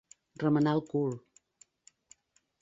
Remenar el cul.